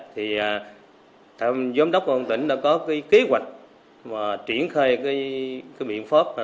thì giám đốc quân tỉnh đã có kế hoạch triển khai biện pháp